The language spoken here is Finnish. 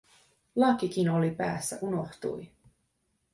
Lakkikin oli päässä, unohtui.